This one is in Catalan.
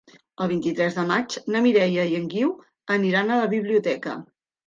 El vint-i-tres de maig na Mireia i en Guiu aniran a la biblioteca.